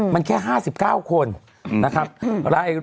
มันแค่๕๙คนนะครับ